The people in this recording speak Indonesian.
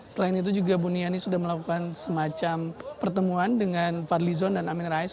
selain itu juga buniani sudah melakukan semacam pertemuan dengan fadli zon dan amin rais